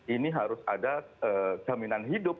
ini harus ada jaminan hidup